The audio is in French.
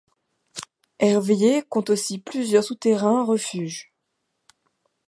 Ervillers compte aussi plusieurs souterrains refuges.